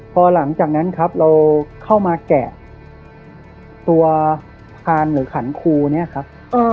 พอหลังจากนั้นครับเราเข้ามาแกะตัวพานหรือขันครูเนี่ยครับ